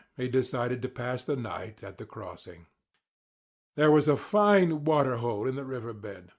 He decided to pass the night at the Crossing. There was a fine water hole in the river bed.